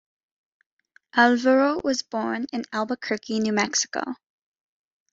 Alvaro was born in Albuquerque, New Mexico.